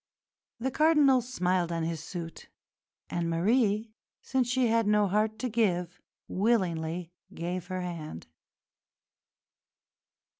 The Cardinal smiled on his suit, and Marie, since she had no heart to give, willingly gave her hand.